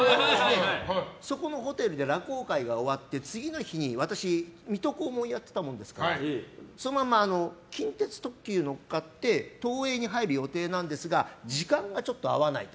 そこのホテルで落語会が終わって次の日に私「水戸黄門」をやってたもんですからそのまま近鉄特急に乗って入る予定なんですが時間がちょっと合わないと。